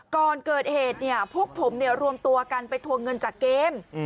ก่อนเกิดเหตุพวกผมรวมตัวกันไปทวงเงินจากเกม